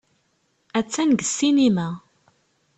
Attan deg ssinima.